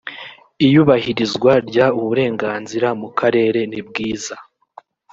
iyubahirizwa ry ubuziranenge mu karere nibwiza.